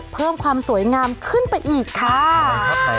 เพิ่มความสวยงามขึ้นไปอีกค่ะ